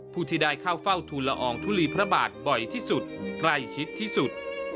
ผู้ที่ได้เข้าเฝ้าทุนละอองทุลีพระบาทบ่อยที่สุดใกล้ชิดที่สุด